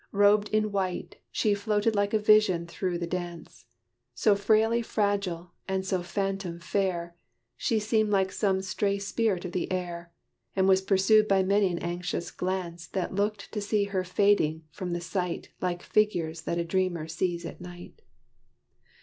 Robed in white, She floated like a vision through the dance. So frailly fragile and so phantom fair, She seemed like some stray spirit of the air, And was pursued by many an anxious glance That looked to see her fading from the sight Like figures that a dreamer sees at night.